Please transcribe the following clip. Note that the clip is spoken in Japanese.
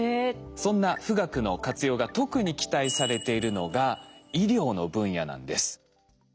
そんな富岳の活用が特に期待されているのが医療の分野なんです。